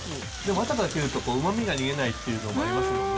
あとから切るとうまみが逃げないっていうのがありますよね。